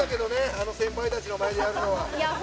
あの先輩たちの前でやるのは。